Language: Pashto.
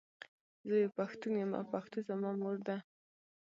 زۀ یو پښتون یم او پښتو زما مور ده.